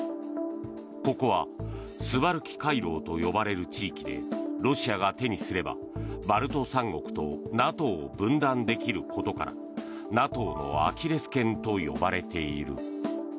ここはスバルキ回廊と呼ばれる地域でロシアが手にすればバルト三国とＮＡＴＯを分断できることからＮＡＴＯのアキレス腱と呼ばれている。